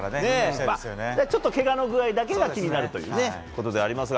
ちょっとけがの具合だけが気になるということではありますが。